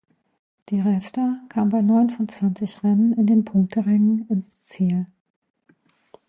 Di Resta kam bei neun von zwanzig Rennen in den Punkterängen ins Ziel.